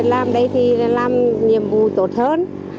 làm đây thì làm nhiệm vụ tốt hơn